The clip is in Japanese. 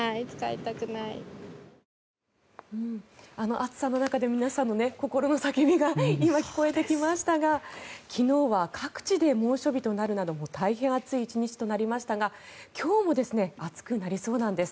暑さの中で皆さんの心の叫びが今、聞こえてきましたが昨日は各地で猛暑日となるなど大変暑い１日となりましたが今日も暑くなりそうなんです。